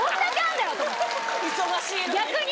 忙しいのに。